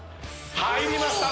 入りました。